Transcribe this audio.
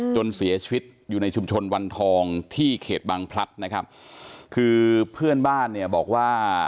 จนเสียชีวิตอยู่ในชุมชนวันทองที่เขตบังพลัดนะครับคือเพื่อนบ้านเนี่ยบอกว่า